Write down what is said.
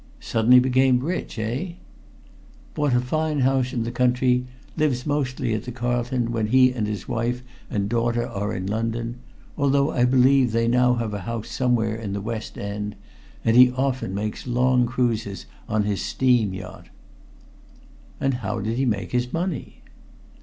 "Suddenly became rich eh?" "Bought a fine house in the country; lives mostly at the Carlton when he and his wife and daughter are in London although I believe they now have a house somewhere in the West End and he often makes long cruises on his steam yacht." "And how did he make his money?"